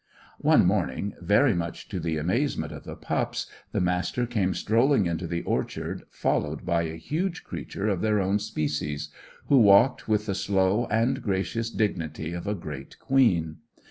] One morning, very much to the amazement of the pups, the Master came strolling into the orchard, followed by a huge creature of their own species, who walked with the slow and gracious dignity of a great queen.